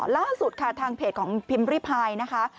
ล่าสุดค่ะทางเพจของพิมพ์ริพายนะคะ